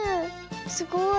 すごい。